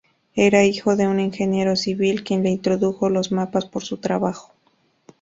Era hijo de un ingeniero civil, quien le introdujo los mapas por su trabajo.